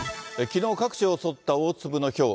きのう、各地を襲った大粒のひょう。